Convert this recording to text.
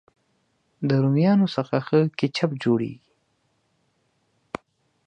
د رومیانو څخه ښه کېچپ جوړېږي.